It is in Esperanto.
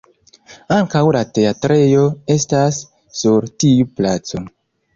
Ankaŭ la teatrejo estas sur tiu placo.